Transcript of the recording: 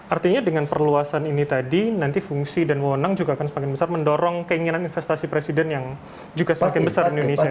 artinya dengan perluasan ini tadi nanti fungsi dan wonang juga akan semakin besar mendorong keinginan investasi presiden yang juga semakin besar di indonesia